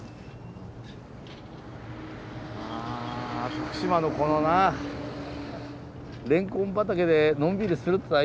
徳島のこのなレンコン畑でのんびりするっていうのはいいね。